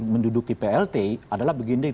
menduduki plt adalah begini